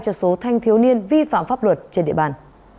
cho số thanh thiếu niên vi phạm pháp luật trên địa bàn